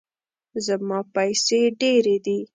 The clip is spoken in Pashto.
زما پیسې ډیرې دي